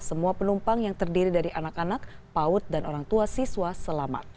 semua penumpang yang terdiri dari anak anak paut dan orang tua siswa selamat